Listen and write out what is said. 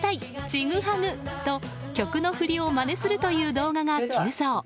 「チグハグ」！と曲のフリをまねするという動画が急増。